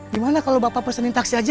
gimana kalau bapak pesenin taksi aja ya